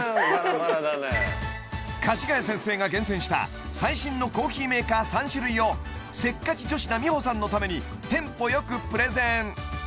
かじがや先生が厳選した最新のコーヒーメーカー３種類をせっかち女子な美帆さんのためにテンポよくプレゼン